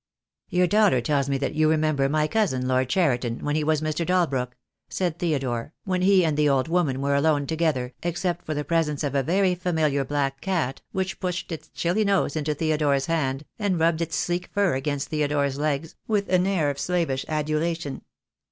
"Your daughter tells me that you remember my cousin, Lord Cheriton, when he was Mr. Dalbrook," said Theo dore, when he and the old woman were alone together, except for the presence of a very familiar black cat, which pushed its chilly nose into Theodore's hand, and rubbed its sleek fur against Theodore's legs, with an air of slavish adulation.